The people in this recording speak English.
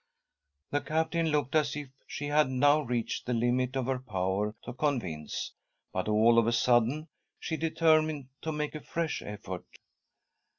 The Captain looked as if she had now reached the limit of her power to convince, but, all of a sudden, she determined to make a fresh effort.